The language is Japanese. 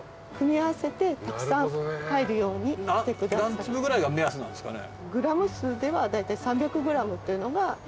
何粒ぐらいが目安なんですかね。